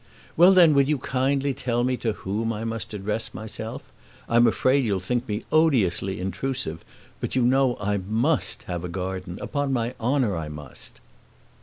"Well then, would you kindly tell me to whom I must address myself? I'm afraid you'll think me odiously intrusive, but you know I MUST have a garden upon my honor I must!"